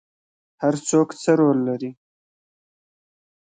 هر څوک څه رول لري؟